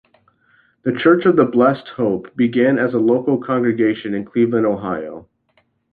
The "Church of the Blessed Hope" began as a local congregation in Cleveland, Ohio.